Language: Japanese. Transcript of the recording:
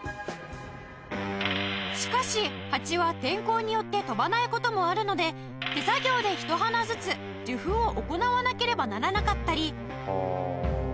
しかしハチは天候によって飛ばない事もあるので手作業でひと花ずつ受粉を行わなければならなかったり